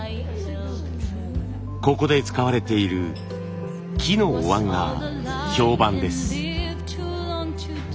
ここで使われている木のお椀が評判です。